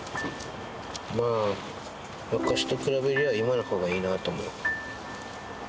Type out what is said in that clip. まあ、昔と比べりゃ今のほうがいいなと思う。